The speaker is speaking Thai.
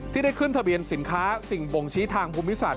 ที่ได้ขึ้นทะเบียนสินค้าสิ่งบ่งชี้ทางภูมิศาสต